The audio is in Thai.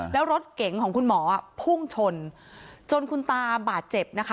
แล้วรถเก๋งของคุณหมอพุ่งชนจนคุณตาบาดเจ็บนะคะ